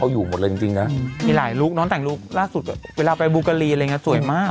เอาอยู่หมดเลยจริงนะมีหลายลุคน้องแต่งลุคล่าสุดเวลาไปบุกรีอะไรอย่างนี้สวยมาก